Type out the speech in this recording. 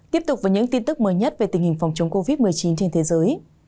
tiếp tục với những tin tức mới nhất về tình hình phòng chống covid một mươi chín trên thế giới